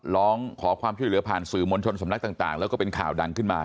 ร้องขอความช่วยเหลือผ่านสื่อมวลชนสำนักต่างแล้วก็เป็นข่าวดังขึ้นมา